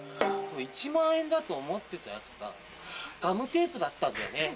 １万円だと思ってたやつがガムテープだったんだよね。